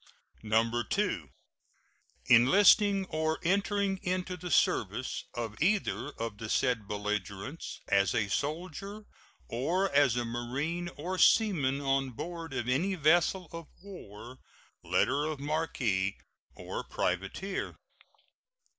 2. Enlisting or entering into the service of either of the said belligerents as a soldier or as a marine or seaman on board of any vessel of war, letter of marque, or privateer.